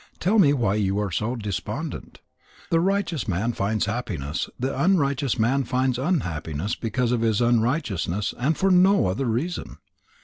Tell me why you are so despondent. The righteous man finds happiness, the unrighteous man finds unhappiness because of his unrighteousness, and for no other reason.